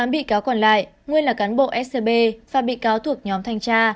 một mươi tám bị cáo còn lại nguyên là cán bộ scb và bị cáo thuộc nhóm thanh tra